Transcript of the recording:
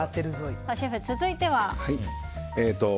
シェフ、続いては？